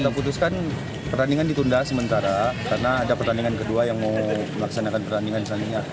kita putuskan pertandingan ditunda sementara karena ada pertandingan kedua yang mau melaksanakan pertandingan misalnya